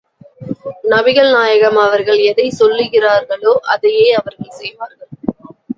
நபிகள் நாயகம் அவர்கள் எதைச் சொல்லுகிறார்களோ, அதையே அவர்கள் செய்வார்கள்.